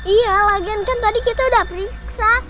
iya lagen kan tadi kita udah periksa